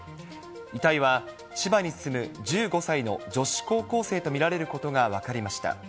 遺体は千葉に住む１５歳の女子高校生と見られることが分かりました。